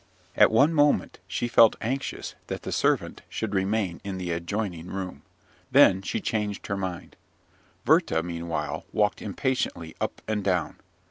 At one moment she felt anxious that the servant should remain in the adjoining room, then she changed her mind. Werther, meanwhile, walked impatiently up and down.